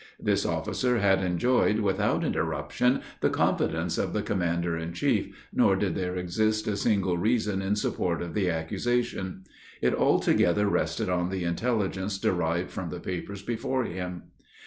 This officer had enjoyed, without interruption, the confidence of the commander in chief, nor did there exist a single reason in support of the accusation. It altogether rested on the intelligence derived from the papers before him.